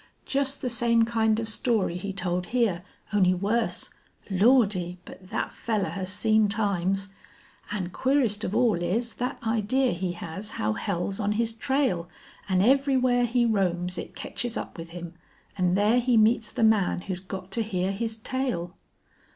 Jest the same kind of story he told hyar, only wuss. Lordy! but thet fellar has seen times. An' queerest of all is thet idee he has how hell's on his trail an' everywhere he roams it ketches up with him, an' thar he meets the man who's got to hear his tale!"